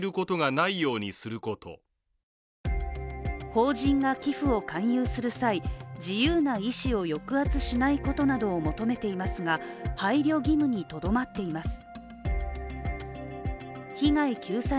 法人が寄付を勧誘する際、自由な意思を抑圧しないことなどを求めていますが、配慮義務にとどまっています。